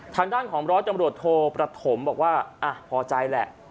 ทางด้านของร้อยตำรวจโทประถมบอกว่าพอใจแหละ